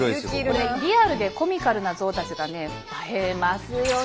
リアルでコミカルな像たちがね映えますよね。